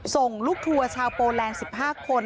ส่งลูกทัวร์ชาวโปแลนด์๑๕คน